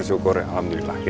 gak ada apa apa lah